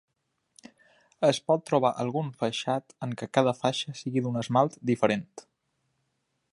Es pot trobar algun faixat en què cada faixa sigui d'un esmalt diferent.